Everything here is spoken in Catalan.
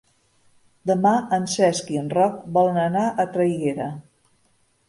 Demà en Cesc i en Roc volen anar a Traiguera.